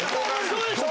そうでしょ？